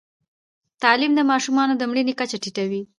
تعلیم د ماشومانو د مړینې کچه ټیټوي.